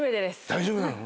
大丈夫なの？